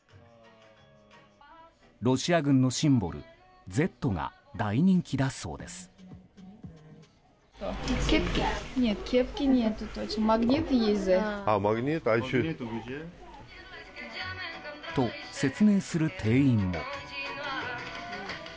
ロシア軍のシンボル「Ｚ」が大人気だそうです。と、説明する店員も。